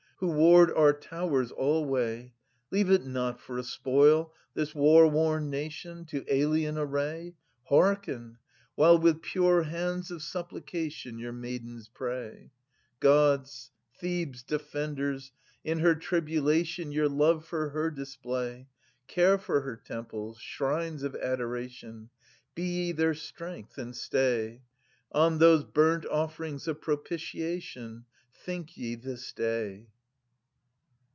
Who ward our towers alway, Leave it not for a spoil, this war worn nation, To alien array ! 170 Hearken, while with pure hands of supplication Your maidens pray ! {Ant. 3 Gods, Thebes' defenders, in her tribulation Your love for her display. Care for her temples, shrines of adoration ; Be ye their strength and stay. On those bumt oflFerings of propitiation 180 Think ye this day